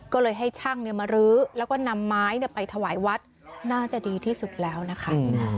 ก็เลยให้ช่างมารื้อแล้วก็นำไม้ไปถวายวัดน่าจะดีที่สุดแล้วนะคะ